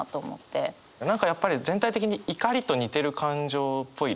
何かやっぱり全体的に怒りと似てる感情っぽいですよね。